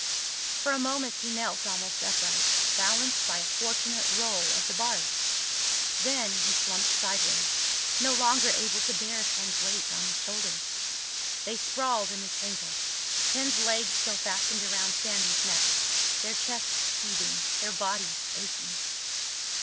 For a moment he knelt almost upright, balanced by a fortunate roll of the barge. Then he slumped sideways, no longer able to bear Ken's weight on his shoulders. They sprawled in a tangle, Ken's legs still fastened around Sandy's neck, their chests heaving, their bodies aching.